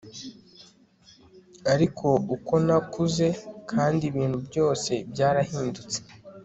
ariko uko nakuze kandi ibintu byose byarahindutse